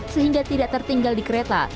sehingga tidak tertinggal di kereta